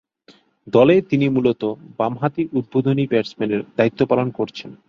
দলে তিনি মূলতঃ বামহাতি উদ্বোধনী ব্যাটসম্যানের দায়িত্ব পালন করছেন।